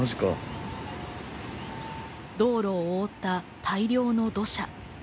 道路を覆った大量の土砂。